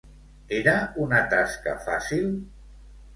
Era una tasca fàcil?